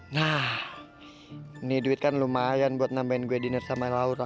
nah ini duit kan lumayan buat nambahin we dinner sama laura